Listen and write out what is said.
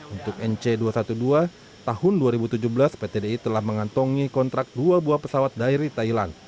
untuk nc dua ratus dua belas tahun dua ribu tujuh belas pt di telah mengantongi kontrak dua buah pesawat dari thailand